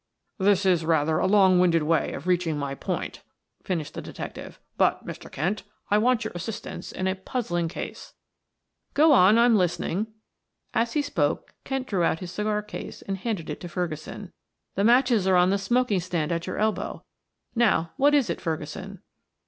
"This is rather a long winded way of reaching my point," finished the detective. "But, Mr. Kent, I want your assistance in a puzzling case." "Go on, I'm listening." As he spoke, Kent drew out his cigar case and handed it to Ferguson. "The matches are on the smoking stand at your elbow. Now, what is it, Ferguson?"